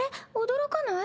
驚かない？